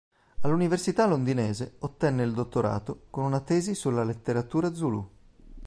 All'università londinese ottenne il dottorato con una tesi sulla letteratura zulu.